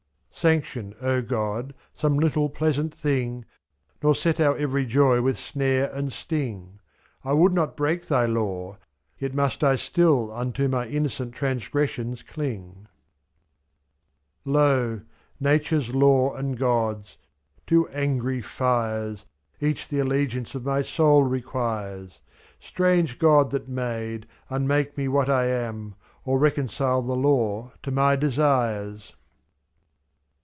Sanction, O God, some little pleasant thing. Nor set our every joy with snare and sting; n^l would not break Thy law, — yet must I still Unto my innocent transgressions cling. 54 Lo ! Nature's law and God's — two angry fires — Each the allegiance of my soul requires ; /n. Strange God that made, unmake me what I am Or reconcile the law to my desires